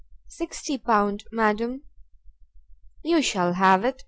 "Sixty pound, madam." "You shall have it!"